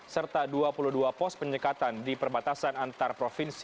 serta dua puluh dua pos penyekatan di perbatasan antarprovinsi